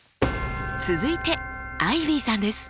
続いてアイビーさんです。